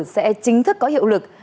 sẽ chính thức có hiệu lực